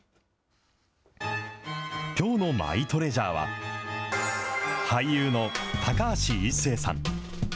きょうのマイトレジャーは、俳優の高橋一生さん。